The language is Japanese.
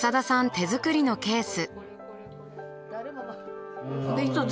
手作りのケース。